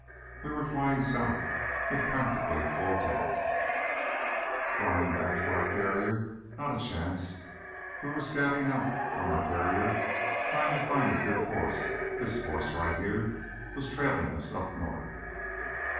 We were flying south with practically a full tank. Flying back to our carrier? Not a chance! We were scouting out from our carrier trying to find out if your force, this force right here, was _trailing us up north!